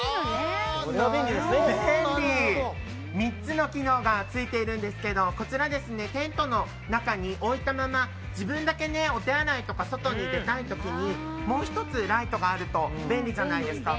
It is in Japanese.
３つの機能がついているんですがこちら、テントの中に置いたまま自分だけお手洗いとか外に出たい時にもう１つライトがあると便利じゃないですか。